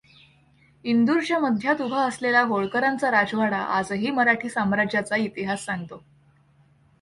इंदूरच्या मध्यात उभा असलेला होळकरांचा राजवाडा आजही मराठी साम्राज्याचा इतिहास सांगतो.